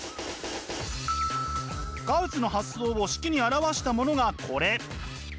ガウスの発想を式に表したものがこれ！